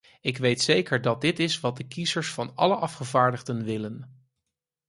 Ik weet zeker dat dit is wat de kiezers van alle afgevaardigden willen.